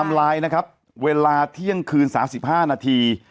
ไลน์นะครับเวลาเที่ยงคืน๓๕นาที